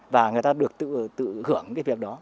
và người ta được tự hưởng cái việc đó